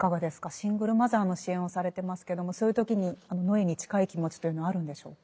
シングルマザーの支援をされてますけどもそういう時に野枝に近い気持ちというのはあるんでしょうか。